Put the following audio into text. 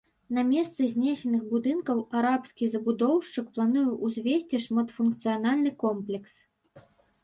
На месцы знесеных будынкаў арабскі забудоўшчык плануе ўзвесці шматфункцыянальны комплекс.